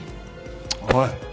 おい！